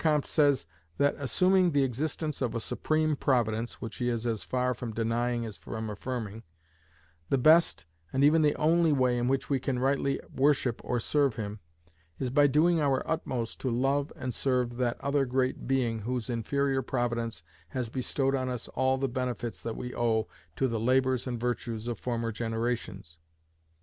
Comte says, that assuming the existence of a Supreme Providence (which he is as far from denying as from affirming), the best, and even the only, way in which we can rightly worship or serve Him, is by doing our utmost to love and serve that other Great Being, whose inferior Providence has bestowed on us all the benefits that we owe to the labours and virtues of former generations.